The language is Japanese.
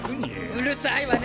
うるさいわね！